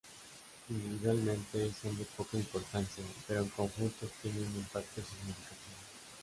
Individualmente, son de poca importancia, pero en conjunto tienen un impacto significativo.